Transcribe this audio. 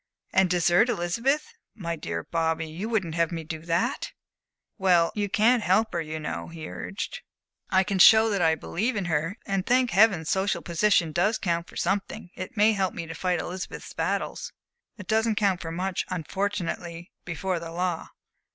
"And desert Elizabeth? My dear Bobby, you wouldn't have me do that?" "Well, you can't help her, you know," he urged. "I can show that I believe in her. And, thank Heaven! social position does count for something. It may help me to fight Elizabeth's battles." "It doesn't count for much, unfortunately, before the law."